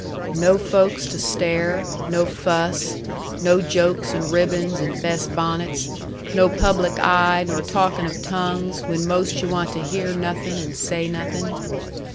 "No folks to stare, no fuss, no jokes and ribbons and best bonnets, no public eye nor talkin' of tongues when most yu' want to hear nothing and say nothing."